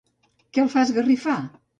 Què el fa esgarrifar?